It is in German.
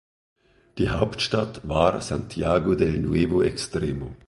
Die Hauptstadt war Santiago del Nuevo Extremo.